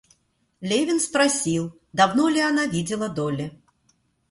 Левин спросил, давно ли она видела Долли.